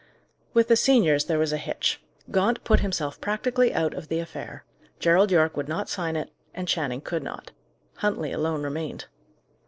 With the seniors there was a hitch. Gaunt put himself practically out of the affair; Gerald Yorke would not sign it; and Channing could not. Huntley alone remained.